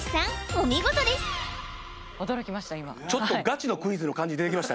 お見事です驚きました